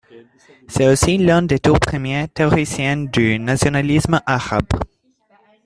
C'est aussi l'un des tout premiers théoriciens du nationalisme arabe.